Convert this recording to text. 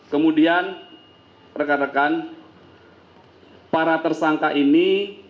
kemudian rekan rekan para tersangka ini